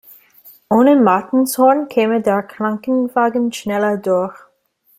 Ohne Martinshorn käme der Krankenwagen schneller durch.